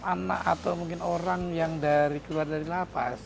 kalau menurut saya kalau anak atau mungkin orang yang keluar dari lapas